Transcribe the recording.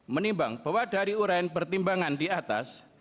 menimbang bahwa dari uraian pertimbangan di atas